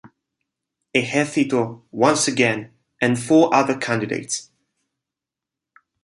Ejercito once again and four other candidates.